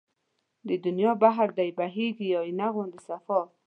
دنيا بحر دی بهيږي آينه غوندې صفا